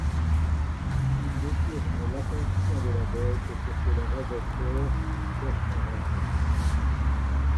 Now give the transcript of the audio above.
Il détourne l'attention de la bête pour que le raseteur puisse faire son raset.